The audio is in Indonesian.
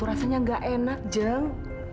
rasanya gak enak jeng